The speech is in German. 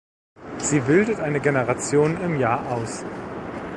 Sie bildet eine Generation im Jahr aus.